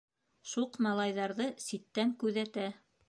Шуҡ малайҙарҙы ситтән күҙәтә.